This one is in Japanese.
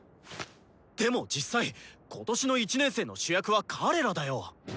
でも実際今年の１年生の主役は彼らだよ。